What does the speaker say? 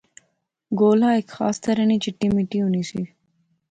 گولا ہیک خاص طرح نی چٹی مٹی ہونی سی